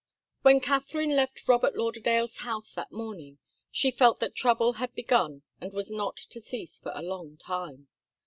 When Katharine left Robert Lauderdale's house that morning, she felt that trouble had begun and was not to cease for a long time.